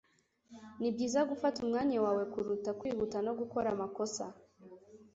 Nibyiza gufata umwanya wawe kuruta kwihuta no gukora amakosa.